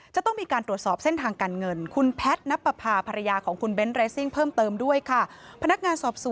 จะต้องมีการตรวจสอบเส้นทางการเงิน